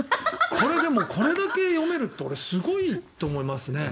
これだけ読めるって俺、すごいと思いますね。